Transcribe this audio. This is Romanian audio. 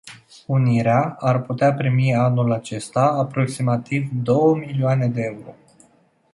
Unirea ar putea primi anul acesta aproximativ două milioane de euro.